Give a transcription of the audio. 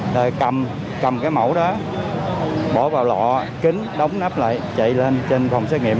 rồi cầm cầm cái mẫu đó bỏ vào lọ kính đóng nắp lại chạy lên trên phòng xét nghiệm